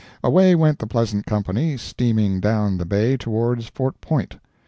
Away went the pleasant company, steaming down the Bay towards Fort Point.